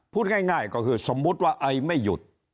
พูดง่ายก็คือสมมุติว่าไอไม่หยุด